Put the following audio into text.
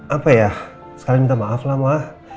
apa ya sekalian minta maaf lah ma